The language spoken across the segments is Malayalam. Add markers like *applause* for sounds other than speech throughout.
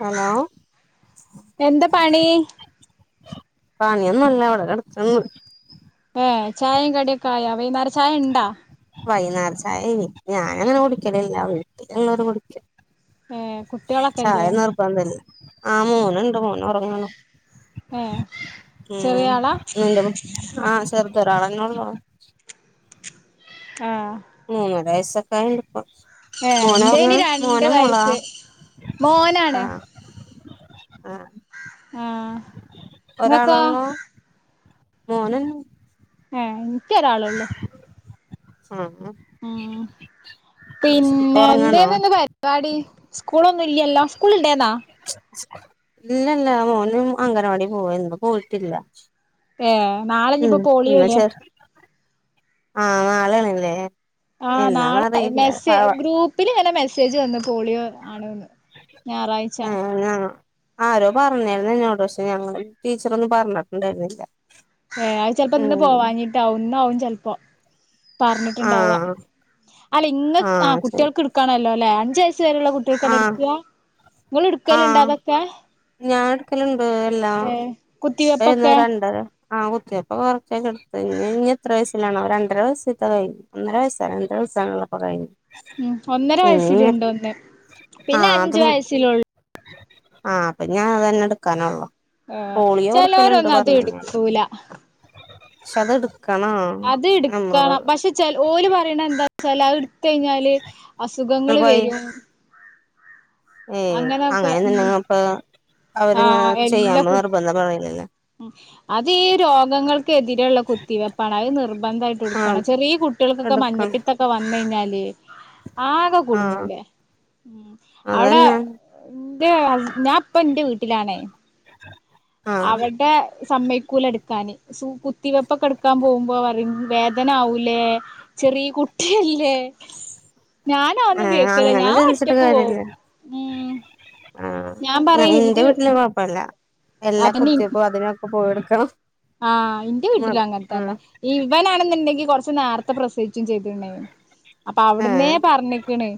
ഹലോ എന്താ പണി പണിയൊന്നുല്ല ഇവിടെ കടക്ക്ന്ന് ഏ ചായിം കടിയൊക്കെ ആയാ വൈന്നാര ചായണ്ടാ വൈന്നാരച്ചായ ഞാനങ്ങനെ കുടിക്കലില്ല വീട്ടിലുള്ളോര് കുടിക്കും ഏ ചായ കുട്ടികളൊക്കെല്ലേ നിർബന്ധല്ല ആഹ് മോനുണ്ട് മോ ഒറങ്ങുണു ഏ ഉം ചെറിയ ആളാ *unintelligible* ആ ചെർ ച്ചൊരാളന്നെള്ളൂ ആ മൂന്നര വയസൊക്കെ ആയിണ്ട്പ്പൊ ഏ മോനൊറങ്ങാ ഇന്റെന് മോന രണ്ട് മോളാ വയസ്സ് മോനാണ് ആഹ് ആഹ് ആഹ് ങ്ങക്കോ ഒരാളൊള്ളൂ മോനന്നെ ഏഹ് ഇൻക്കൊരാളൊള്ളൂ ആഹ് ഉം ഇപ്പൊ പിന്നെ ഉറങ്ങാണോ എന്തേയ്ന്ന് ഇന്ന് പരിപാടി സ്കൂളൊന്നും ഇല്ല്യല്ലോ സ്കൂൾണ്ടേയ്ന്നാ ഇല്ലല്ല മോനും അംഗനവാടി പോവേര്ന്ന് ഇപ്പൊ പോയിട്ടില്ല ഏ നാളഞ്ഞി ഇപ്പൊ പോളിയോല്ലേ ആഹ് നാളേണ്ലേ ആഹ് നാളെ മെസ് ഗ്രൂപ്പില് ഇങ്ങനെ മെസ്സേജ് വന്ന്ക്ക് പോളിയോ ആണ്ന്ന് ഞാറാഴ്ച്ച ആ ഞാ *unintelligible* ഞങ്ങൾ ടീച്ചറൊന്നും പറഞ്ഞിട്ടുണ്ടായിരുന്നില്ല ഏ അത്‌ ചെൽപ്പോ ഇന്ന് ഉം പോവാഞ്ഞീട്ടാവും ഇന്നാവും ചെൽപ്പോ ആ പർഞ്ഞിട്ട്ണ്ടാവാ അല്ല ഇങ്ങ ആ കുട്ട്യാൾക്ക് ഇട്ക്കാനാല്ലോല്ലേ അഞ്ചയ് സ് വരെള്ള ആ കുട്ട്യാൾക്കല്ലേട്ക്കാ ങ്ങള് ഇട്ക്കല്ണ്ടാ അതൊക്കെ ഞാൻട്ക്കലുണ്ട് എല്ലാം ഏ *unintelligible* കുത്തിവെപ്പൊക്കെ രണ്ടര ആഹ് കുത്തിയപ്പൊ കൊറച്ചൊക്കെ എടുത്ത് ഇനി എത്ര വയസ്സിലാണാവോ രണ്ടര വസ്സ്‌തെ കഴിഞ്ഞു ഒന്നര വയസ്സാ രണ്ടര വയസ്സാണല്ലോ ഇപ്പൊ കഴിഞ്ഞ് ഉം ഒന്നര വയസ്സില്ണ്ട് ഒന്ന് പിന്നെ അഞ്ചു വയസ്സിലൊള്ളൂ ആഹ് അപ്പൊ ഞാൻ അതന്നെട്ക്കാനൊള്ളു ആഹ് ചെലോരൊന്നും അത് കഴിഞ്ഞാല് എടുക്കൂല പക്ഷെ അത് എടുക്കണോ അത് നമ്മള് ഇട്ക്കണം പക്ഷേ ചെലോ ഓര് പറയ്ണെന്താ ച്ചാല് അത്‌ട്ത്ത്കഴിഞ്ഞാല് അസുഖങ്ങള് വരും ഉം അങ്ങനെയൊക്കെ ഉം അങ്ങനെന്ന്ണ്ടെങ്ങെപ്പോ ആ അവരിങ്ങനെ ചെയ്യാൻ എല്ലാ കുട്ടി നിർബന്ധം പറയിലല്ലോ അത് ഈ രോഗങ്ങൾക്കെതിരെയുള്ള കുത്തിവെപ്പാണ് അത് ആഹ് നിർബന്ധായിട്ടുട്ക്കണം ചെറിയ കു കുട്ടികൾക്കൊക്കെ എടുക്കണം മഞ്ഞപ്പിത്തൊക്കെ വന്നയ്ഞ്ഞാല് ആകെ ആഹ് കുടുങ്ങൂലെ ഉം അവിടെ അതന്നെ ഇന്റെ ഹസ് ഞാൻപ്പ ഇന്റെ വീട്ടിലാണേ ആഹ് അവടെ സമ്മയ് ക്കൂലട്ക്കാന് സു കുത്തിവെപ്പൊക്കെട്ക്കാൻ പോകുമ്പോ പറിം വേദനാവൂലേ ചെറിയ കു ട്ടി അല്ലേ ഞാനാവൊന്നും ഏഹ് കേക്കൂല അങ്ങനെ ഞാൻ ചിന്തിച്ചിട്ട് ഒറ്റക്ക് പോവും കാര്യല്ല ഉം ആഹ് ഞാൻ പറയും ഇന്റെ ഇത് വീട്ടില് കൊഴ്പ്പല്ല എല്ലാ അതന്നെ കുത്തിയപ്പോ അതിനൊക്കെ പോയെടുക്കണം ആഹ് ഇന്റെ വീട്ടിലും ആഹ് അങ്ങനെത്തന്നെ ഈ ഇവനാണെ ന്നുണ്ടെങ്കി കൊറച്ച് നേരത്തെ പ്രസവിക്കുകയും ചെയ്തിട്ടുണ്ടായിരുന്നു അപ്പൊ അവിടുന്നേ ഏഹ് പറഞ്ഞിക്കണ്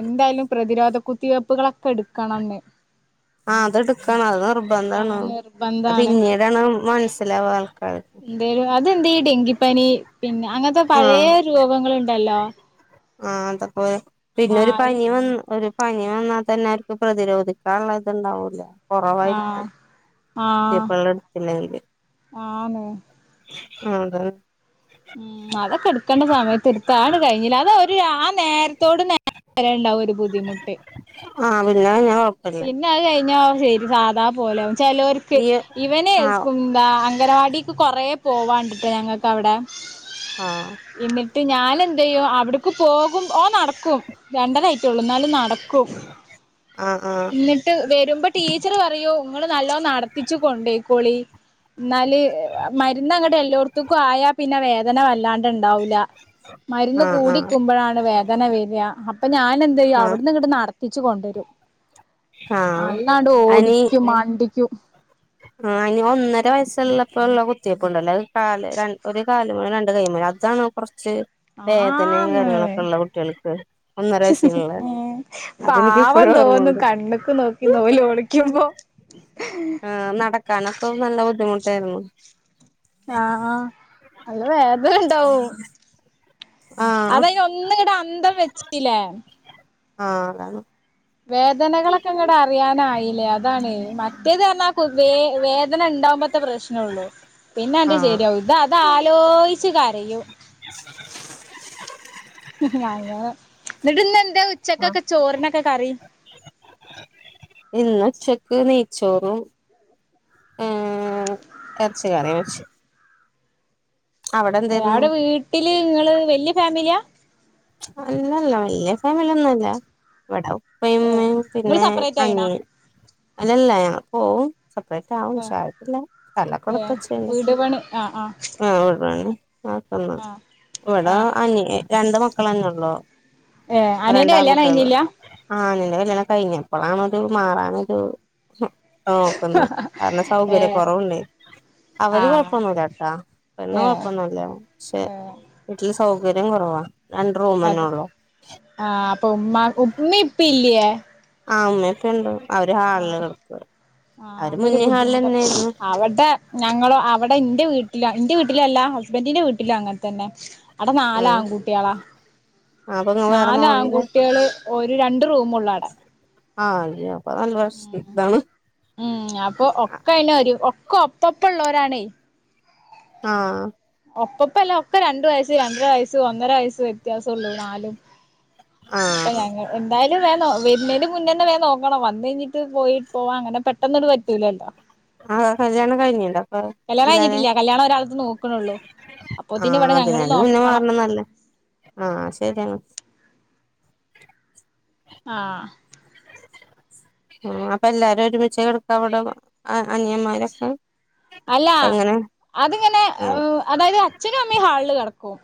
എന്തായാലും പ്രതിരോധ കുത്തിവയെ്പുകളൊക്കെ എടുക്കണംന്ന് ആ അതെടുക്കാണ് അത് നിർബന്ധമാണ് ആഹ് പിന്നീടാണ് മനസില- അതെ എന്ത ഈ ഡെങ്കിപ്പനി പിന്നെ അങ്ങനത്തെ പഴയ രോഗങ്ങളുണ്ട് ട്ടലോ *unintelligible* ആഹ അതപോലെ പിന്നെ ഒരു പനി വന്ന് ഒരു- പനി വന്നാൽ തന്നെ അവർക്ക് പ്രതിരോധിക്കാനുള്ള ഇത്ണ്ടാവൂലേ ആഹ് കുറവായിരിക്കും ചിപ്പള്ളടുത്തിയില് *unintelligible* ആണ് അതെ ഉം അതൊക്കെ എടുക്കേണ്ട സമയത്ത് എടുത്ത ആണ് കഴിഞ്ഞില്ല ആ നേരത്തോട് നേരം വരേണ്ട ഒരു ബുദ്ധിമുട്ട് ആ പിന്നെ ഞാൻ പിന്നെ അത് കഴിഞ്ഞോ ശരി സാധാ പോലെ ചിലർക്ക് ഈ ഇവന് ആഹ് അങ്കനവാടി- കുറേ പോവാണ്ടിട്ട് ഞങ്ങൾക്ക് അവിടെ- ആഹ എന്നിട്ട് ഞാൻ എന്ത്‌ ചെയ്യും അവിടക്ക് പോകും ഓ നടക്കും രണ്ടനായിട്ടള്ളൂ എന്നാലും നടക്കും ആഹ് ആഹ് എന്നിട്ട് വരുമ്പോ ടീച്ചർ പറയോ ഇങ്ങൾ നല്ലോ നടത്തിച്ചു കൊണ്ടേയിക്കോളി എന്നാല് മരുന്ന് അങ്ങട്ട് എല്ലോടത്തക്കും ആയാ പിന്നെ വേദന വല്ലാണ്ട് ഇണ്ടാവൂില്ല മരുന്ന് ആഹ് ആഹ് കൂടിക്കുമ്പോഴാണ് വേദന വരിക അപ്പൊ ഞാൻ എന്ത് ചെയ്യും ആഹ് അവിടുന്ന് ഇങ്ങട്ട് നടത്തി കൊണ്ടുവരും ആഹ് നല്ലാണ്ട് ഓടിക്കും മണ്ടിക്കും ആ അനി ഒന്നര വയസുള്ളപ്പോ ഉള്ള കുത്തിയപ്പ ഉണ്ടല്ലോ ഒരുകാലേ രണ്ട കൈ- അതാാണ് കുറച്ച്- വേദനയും ആന്ന് കാര്യങ്ങളൊക്കെ ഉള്ള കുട്ടികൾക്ക് ഒന്നര വയസങ്ങുള്ള അതെനിക്ക് ഇപ്പോഴും- തോന്നുന്നു ഓർമ്മയുണ്ട് കണ്ണുക്ക് നോക്കി ഓള് ഓളിക്കുമ്പോ- നടക്കാനൊക്കെ നല്ല ബുദ്ധിമുട്ടായിരുന്നു ആഹ ആ അത് വേദ ഇണ്ടാവും ആഹ് അതതിനന് ഒന്നുകിടെ അന്തം വെച്ചല്ലേ ആഹ അതാണ് വേദനകളൊക്കെ അറിയാനായില്ലേ അതാണ് മറ്റേത് പറഞ്ഞാൽ വേ വേദന ഉണ്ടാവകുമ്പോഴത്തെ പ്രശ്നള്ളു പിന്നെ അത് ആഹ് ശരിയാവും ഇത് അത് ആലോചി കരയൂ *unintelligible* അങ്ങട *unintelligible* എന്താ ആഹ് ഉച്ചക്കൊക്കെ ചോറിനൊക്കെ കറി ഇന്ന് ഉച്ചക്ക് നെയച്ചോറും- ഉം എറച്ചറിക്കറി വച്ച് അവിടെ വീട്ടില് നിങ്ങള് വല്യ ഫാമിലിയാ അല്ലല്ല വലിയ ഫാമിലി ഒന്നുംല്ല ഇവിടെ - ഉപ്പയും ഏഹ് ഉമ്മയും നിങ്ങള് പിന്നെ സെപ്പറേറ്റ് ആയിണാ അനിയൻ അല്ലല്ല അപ്പ- സെപ്പറേറ്റ് ആവും ഏഹ് പക്ഷെ ഇതായിട്ടില്ല സ്ഥലം ഏ കൊടുത്ത് വച്ചേക്കുവാ വീട് പണി ആഹ് ആഹ് - ആന് ആഹ് ഇവിട ആഹ് അന് രണ്ട് മക്കള അഞ്ഞള്ളോ ഏഹ് അനിയന്റെ രണ്ടാം കല്യാണം കുട്ടികള് കഴിഞ്ഞില്ല ആ- കല്ലിയാണം കഴിഞ്ഞപ്പോഴാണ ഒരു മാറാനൊരു- നോക്കന്ന് കാരണം സൗകര്യ ഏഹ് കൊറവുണ്ടെ അവര് ആഹ് കൊഴപ്പൊന്നില്ല കേട്ടാ പെണ് ഏഹ് കൊഴപ്പൊന്നില്ല പക്ഷെ ഏഹ് വട്ട *unintelligible* സൗകര്യം കുറവാ രണ്ട് റൂമന്നെ ഉള്ളൂ അപ്പ ഉമ്മ ഉമ്മ ഇപ്പ ഇല്ലയേ ആ അമ്മയൊക്കെ ഉണ്ട് അവര് ഹാളില് കൊടുക്ക ആ അതൊരു ബുദ്ധിമുട്ട് അവിടെ ഞങ്ങളോ അവിടെ എന്റെ വീട്ടിലോ എറെ വീട്ടിൽ- വീട്ടിലല്ല ഹസ്ബൻഡിന്റെ വീട്ടിലും അങ്ങനെ തന്നെ അവിടെ നാല് ആഹ് ആൺ കുട്ടികളാ അപ്പൊ ഇങ്ങള് വേറെ നാല് മാറില്ലേ ആൺകുട്ടികള് ഒരു രണ്ട് റൂമൊള്ള് അവിടെ ആഹ് അതെയോ ഉം ഉം അപ്പൊ ഒക്കെ അതിന്‌ ഒരു ഒക്ക ഒപ്പപ്പോ ഒള്ളവരാണേ ആഹ് ഒപ്പപ്പല്ല ഒക്കെ രണ്ട് വയസ് രണ്ടര വയസ്സ് ഒന്നര വയസ്സ് വ്യത്യാസം ഉള്ളു നാലും അപ്പൊ ആഹ് ഞങ്ങള് എന്താ വേണം വരുന്നേന് മുന്നേ തന്നെ വേഗം നോക്കണം വന്ന് കഴിഞ്ഞിട്ട് പോയി പോവാൻ അങ്ങനെ പെട്ടെന്നൊരു പറ്റൂലല്ലോ ആഹ് കല്യാണം കഴിഞ്ഞല്ലോ കല്യാണം കഴിഞ്ഞിട്ടില്ല കല്യാണം ഒരാൾക്ക് നോക്കണേയുള്ളൂ ആഹ് അതിന് തന്നേ മുന്നേ മാറണം എന്നല്ലേ ആഹ് ശരിയാണ് ആഹ് ആഹ് അപ്പൊ എല്ലാരും ഒരുമിച്ചാ കിടക്കുക അവിടെ അനിയമാരൊക്കെ അല്ല അതിങ്ങനെ ആഹ് അതായത് അച്ഛനും അമ്മയും ഹാളില് കിടക്കും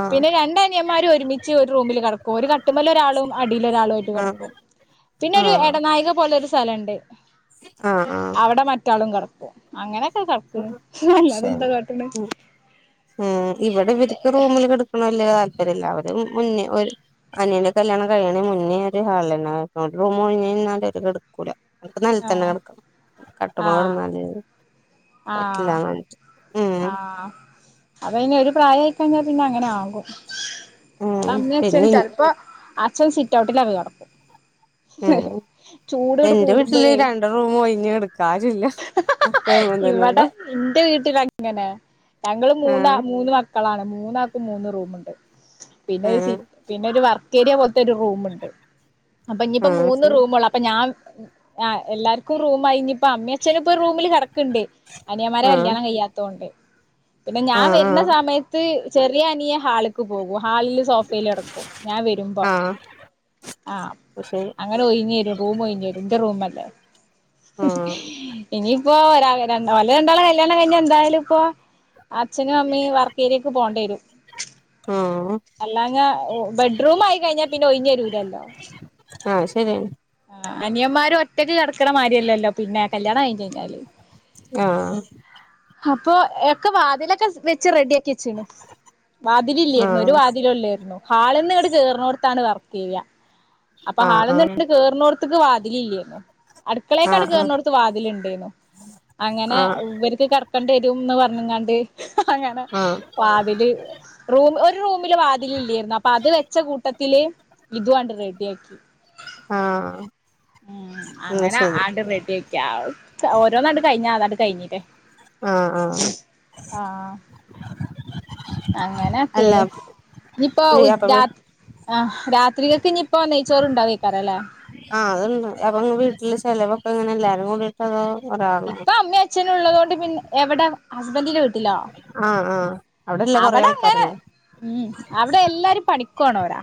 ആഹ് പിന്നെ രണ്ട് അനിയന്മാരും ഒരുമിച്ച് ഒരു റൂമില് കിടക്കും ഒരു കട്ടിൽമേൽ ഒരാളും അടിയിലും ഒരാളും ആയിട്ട് ആഹ് കിടക്കും പിന്നെ ഒരു ആഹ് എടനാഴിക പോലെ ഒരു സ്ഥലവുണ്ട് ആഹ് ആഹ് അവിടെ മറ്റേയാളും കിടക്കും അങ്ങനെ ശരി ഉം ഇവിടെ ഇവർക്ക് റൂമില് കിട ക്കണ വല്ല്യ താല്പര്യമില്ല അവര് മുന്നേ ഒരു അനിയന്റെ കല്യാണം കഴിയണേ മുന്നേ ഒരു ഹാളില് തന്നേ കിടക്കും ഒരു റൂമ് ഒഴിഞ്ഞ് കിടന്നാൽ അവര് കിടക്കൂല അവർക്ക് നിലത്ത് തന്നെ ആഹ് കിടക്കണം കട്ടിൽ മേൽ ആഹ് കിടന്നാല് ആഹ് പറ്റില്ലാന്ന് പറഞ്ഞിട്ട് ഉം അത് പിന്നെ ഒരു പ്രായമായി കഴിഞ്ഞാൽ പിന്നെ അങ്ങനെ ആകും ഉം അത് അമ്മയും അച്ചനും പിന്നെ ചെലപ്പോ അച്ഛൻ സിറ്റ് ഔട്ടില നടക്കും ഉം എന്റെ വീട്ടില് കൂടുമ്പോഴേ രണ്ട് റൂം ഒഴിഞ്ഞെടുക്കാറില്ല ആരൂല്ല ഇവിടെ എന്റെ വീട്ടില അങ്ങനെ ഞങ്ങള് മൂന്ന് ആഹ് മൂന്ന് മക്കളാണ് മൂന്നാക്കും മൂന്ന് റൂമുണ്ട് പിന്നെ ഒരു സി പിന്നെ ഒരു വർക്കേരിയ പോലത്തെ ഒരു റൂമുണ്ട് അപ്പൊ ഇനിയിപ്പോ മൂന്ന് റൂമുള്ളൂ അപ്പൊ ഞാൻ എല്ലാർക്കും റൂ ആയി ഇനി ഇപ്പൊ അമ്മേം അച്ഛനും ഇപ്പൊ റൂമില് കെടക്ക്ണ്ട് അനിയമാരെ കല്യാണം കഴ്യാത്തൊണ്ട് പിന്നെ ഞാൻ വരുന്ന ആഹ് സമയത്ത് ചെറിയ അനിയ ഹാളിക്ക് പോകും ഹാളില് സോഫേൽ കെടക്കും ഞാൻ വരുമ്പോ ആഹ് ആഹ് ശരി അങ്ങനെ ഒഴഞ്ഞരും റൂം ഒഴിഞ്ഞരും എന്റെ റൂമല്ലേ ആഹ് ഇനിയിപ്പോ ഒരാ രല രണ്ടാളും കല്യാണം കഴിഞ്ഞ എന്തായാലും ഇപ്പൊ അച്ഛനും അമ്മേം വർക്കേരിയ്ക്ക് പോകേണ്ടി വരും ആഹ് അല്ലാഞ്ഞ ബെഡ്റൂം ആയി കഴിഞ്ഞാൽ പിന്നെ ഒഴിഞ്ഞരൂലല്ലോ ആഹ് ആഹ് അത് ശരിയാണ് അനിയന്മാര് ഒറ്റയ്ക്ക് കെട ക്കണമാരിയല്ലല്ലോ പിന്നെ കല്യാണം കഴിഞ്ഞിട്ടെന്താലും ആഹ് അപ്പൊ എക്കെ വാതിലൊക്കെ വെച്ച് റെഡി ആക്കി വാതില് ഇല്ലായിരുന്നു ഒരു ആഹ് വാതിലും ഇല്ലായിരുന്നു ഹാള്ന്ന് ഇങ്ങട് കേറുന്നോടത്താണ് വർ അപ്പൊ ആഹ് ഹാളന്ന്ട്ത്ത് കേറുന്നോട്ത്ത്ക്ക് വാതിലല്ല്യ അടുക്കളയൊക്കെ ആഹ് കേറുന്നോട്ത്ത് വാതിലുണ്ട്ന്ന് അങ്ങനെ ആഹ് ഇവർക്ക് കെ ന്ന് പറഞ്ഞങ്ങാണ്ട് അങ്ങനെ ആഹ് ആഹ് വാതില് റൂ ഒരു റൂമില് വാതിലല്ലായിരുന്നു അപ്പൊ അത് വെച്ച കൂട്ടത്തില് ഇതും ആണ്ട് റെഡിയാക്കി ആഹ ഉം അങ്ങനെ ആണ്ട് റെഡിയ ഒക്കെ ഓരോന്നാട്ട കഴിഞ്ഞ ആ നാട്ട കഴിഞ്ഞിട്ടേ ആ ആ അങ്ങനെക്കെയു അല്ല ഇനിയിപ്പോൊ അപ്പൊ രാ ആ രാ ഇത്രരിക ഇപ്പോ നയിച്ചോറ് ഉണ്ടാവ കക്കാറല്ലേ ആഹ്തണ്ട് അപ്പ വീട്ടില് ചെലവൊക്കെ ഇങ്ങനെ എല്ലാരും കൂടിയിട്ട് അതോ ഒരാളോ ഇപ്പൊ അമ്മയും അച്ഛനും ഉള്ളത കൊണ്ട് പിന്നെ എവിടെ ഹസ്ബൻഡന്റെ വീട്ടിലോ ആഹ ആഹ അവിടെ അങ്ങനെ ഉം അവിടെ എല്ലാരും പഠിക്കവാണോരാ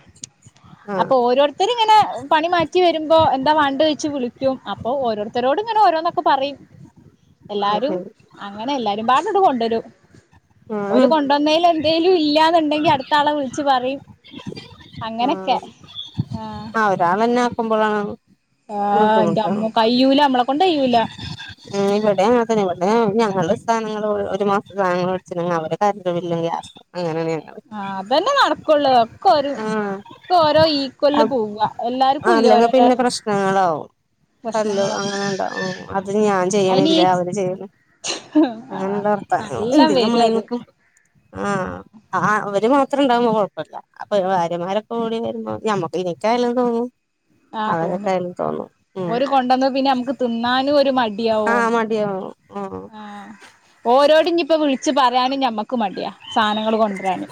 ആഹ് അപ്പൊ ഓരോരുത്തരും ഇങ്ങനെ പണി മാറ്റി വരുമ്പോ എന്താ വേണ്ട വെച്ച് വിളിക്കും അപ്പൊ ഓരോരുത്തരോടും ഇങ്ങനെ ഓരോന്നൊക്കെ പറയും ആ എല്ലാരും അങ്ങനെ എല്ലാരും പാട്ടട്ട് കൊണ്ടുവരും ആ കൊണ്ടന്നേൽ എന്തേലും ഇല്ലാതുണ്ടെങ്കി അടുത്താളെ വിളിച്ച് പറയും ആ അങ്ങനൊക്കെ ആ ഒരാള് തന്നെ ആക്കുമ്പോളാണ് ആഹ എന്റെ അമ്മ കയ്യൂല നമ്മളെ കൊണ്ട് കയ്യൂല ആ് ഇല്ലവിടെേ അ തന്നെ ഇട്ടെ ഞാ സധങ്ങൾ ഒരു മാസ സാധനങ്ങള ഒഴിച്ചുെങ്കിൽ അവര് കരു ബില്ലും ഗ്യാസും അങ്ങനെ തെയ ആ അതന്നെ നടക്കൂള്ളൂ ഒക്കെ ഒരു ആഹ് ഇപ്പൊ ഓരോ ഈക്വലില് അപ് പോവുക എല്ലാർക്കും ഇല്ല ഓരോരോ കല്ലു പ്രശ്നങ്ങളാവും അങ്ങനെണ്ടാവും അത് ഞാൻ അയിന് ഈ ചെയ്യണില്ലേ അവര് ചെയ്യ ആഹ് അങ്ങനുള്ളർത്ത നല്ലം എന്ത് വരും അത് ഞമ്മളക്ക ആഹ അവ അത്ര ഉണ്ടാകുമ്പോ കുഴപ്പമില്ല അപ്പൊ ഭാര്യമാരൊക്കെ ഓടി വരുമ്പോ ഞമ്മക്ക് എനിക്കായാലും തോന്നും ആഹ് തോന്നും അവരൊക്കും തോന്നും ഉ ഓര് കൊണ്ടന്ന് പിന്നെ നമുക്ക് തിന്നാനും ആഹ മടിയ ആഹ ഓരോടെ ഇപ്പോ വിളിച്ച വച്ച് പറയാന ഞമ്മക്ക് മടിയാ സാധനങ്ങൾ കൊണ്ടുവരാന്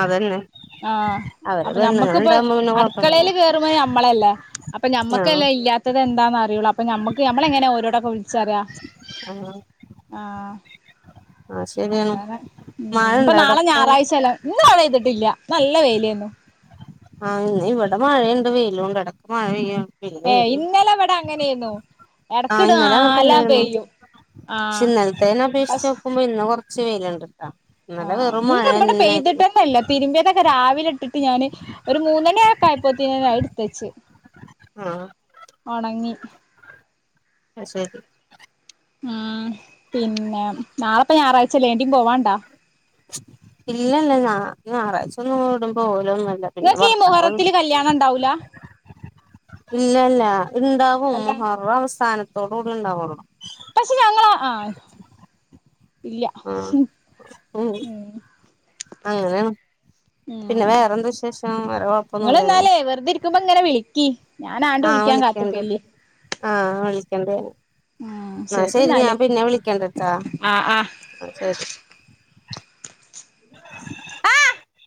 അതന്നെ ആഹ അവര് അപ്പൊ നമ്മക്കിപ്പൊ പെണ്ണുങ്ങളുണ്ടാവുമ്പോ പിന്നെ കൊഴപ്പല്ലല്ലോ അടുക്കളേല് കേറുമ്പോ നമ്മളല്ലാ അപ്പൊ ആഹ് ഞമ്മക്കല്ലേ ഇല്യാത്തത് എന്താന്ന് അ കുള്ളൂ അപ്പൊ ഞമ്മക്ക് നമ്മള എങ്ങനെ ഓരോടക്കെ വിളിച്ച് പറയാ ആഹ് ആഹ അത് ശരിയാണ് അങ്ങനെ ഉ മഴ ഇപ്പൊ ഇണ്ടോ നാളെ അവിടൊക്കെ ഞായറാഴ്ചല്ലോ ഇന്ന് നാളെ ചെയ്തിട്ടില്ല നല്ല വേലയാന്നു ആഹ് ഇന്ന് ഇവിടെ മഴയുണ്ട് വെയിലുംണ്ട് ഇടക്ക് മഴ പെയ്യ ഏ ഇന്നലെ അവിടെ അങ്ങനെന്നു ആഹ് ഇടക്കിടും ഇന്നലെ അങ്ങനെ ആലാം തന്നെയായിരുന്നു പെയ്യും പക്ഷെ ആഹ് ഇന്നലത്തെെ അപേക്ഷിച്ച് പഷ് നോക്കുമ്പോ ഇന്ന കൊറച്ച് വെയിലുണ്ട് ആഹ് ഇന്ന് ഇവിടെ പെയ്തിട്ടന്നല്ല തിരുമ്പിയതൊക്കെ രാവിലെ ഇട്ടിട്ട് ഞാന് ഒരു മൂന്നണി ആക്ക ആയപ്പോത്തി എടുത്തച്ച് ആഹ് ഒണങ്ങി അ ശെരി ആഹ് പിന്നെ നാളെപ്പ ഞായറാഴ്ചല്ലേ എടീം പോവാണ്ടാ ഇല്ലല്ല ഞാ ഞായറാഴ്ച ഒന്ന് ഓടുമ്പോ ഒന്നല്ല പിന്നെ ഇങ്ങക്ക് ഈ വർത്ത മുഹറത്തില് കല്യാണം ഉണ്ടാവൂല ഇല്ലല്ലാ ഇണ്ടാവും കല്യാ മുഹർറം അവസാനത്തോടൂടി ണ്ടാവുള്ളൂ. പക്ഷെ ഞങ്ങള ആ ഇല്ല ആഹ് ഉം അങ്ങനെയാണ് പിന്നെ ഉം വേറെന്താ വിശേഷം വേറെ കൊഴപ്പൊന്നുല്ലല്ലോ നിങ്ങളന്നാലേ വെർതെ ഇരിക്കുമ്പോ ഇങ്ങനെ വിളിക്കി ഞാനാണ്ട് വിളിക്കാൻ കാത്തിക്കല്ലേ ആഹ വിളിക്കണ്ടേ ന്നാ ശരി ഞാൻ പിന്നെ വിളിക്കണ്ടട്ടാ ആഹ് ആഹ് ആ ശരി *inaudible*